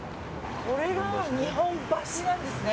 これが日本橋なんですね。